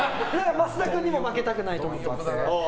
増田君にも負けたくないと思ってます。